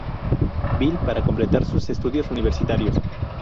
Bill" para completar sus estudios universitarios.